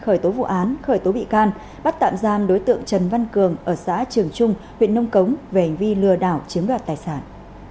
khởi tố vụ án khởi tố bị can bắt tạm giam đối tượng trần văn cường ở xã trường trung huyện nông cống về hành vi lừa đảo chiếm đoạt tài sản